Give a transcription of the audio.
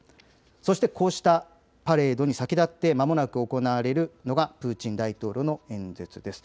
そして、こうしたパレードに先立ってまもなく行われるのがプーチン大統領の演説です。